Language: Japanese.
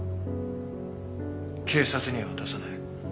警察には渡さない。